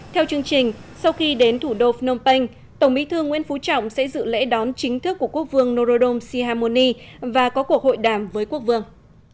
theo chương trình sau khi đến thủ đô phnom penh tổng bí thư nguyễn phú trọng sẽ dự lễ đón chính thức của quốc vương norodom sihamoni và có cuộc hội đàm với quốc vương